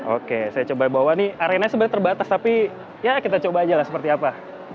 oke saya coba bawa nih arena sebenarnya terbatas tapi ya kita coba aja lah seperti apa